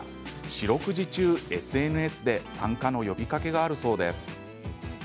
四六時中、ＳＮＳで参加の呼びかけがあるそうです。